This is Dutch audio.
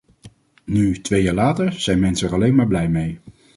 Nu, twee jaar later, zijn mensen er alleen maar blij mee.